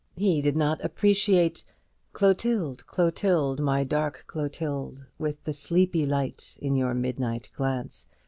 He did not appreciate "Clotilde, Clotilde, my dark Clotilde! With the sleepy light in your midnight glance.